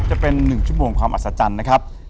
จะเป็น๑ชั่วโมงความอัศจรรย์นะครับ